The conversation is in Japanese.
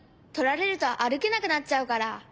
とられるとあるけなくなっちゃうから。